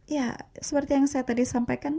ya seperti yang saya tadi sampaikan